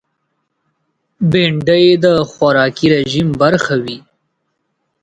بېنډۍ د خوراکي رژیم برخه وي